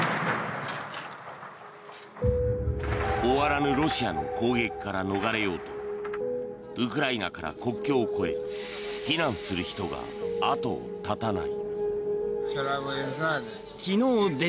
終わらぬロシアの攻撃から逃れようとウクライナから国境を越え避難する人が後を絶たない。